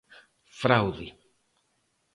Fraude.